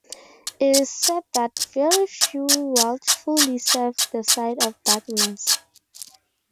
It is said that very few wilfully served the side of darkness.